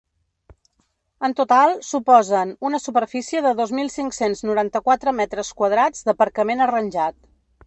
En total, suposen una superfície de dos mil cinc-cents noranta-quatre metres quadrats d’aparcament arranjat.